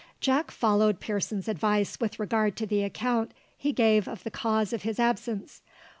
Jack followed Pearson's advice with regard to the account he gave of the cause of his absence.